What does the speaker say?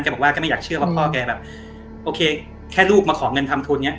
บอกว่าแกไม่อยากเชื่อว่าพ่อแกแบบโอเคแค่ลูกมาขอเงินทำทุนอย่างนี้